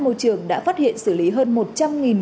môi trường đã phát hiện xử lý hơn một trăm linh